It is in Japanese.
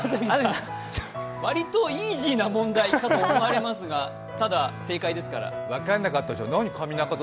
割とイージーな問題化と思われますがただ、正解ですから。